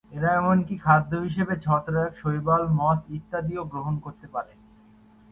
এরা এমনকি খাদ্য হিসেবে ছত্রাক, শৈবাল, মস ইত্যাদিও গ্রহণ করতে পারে।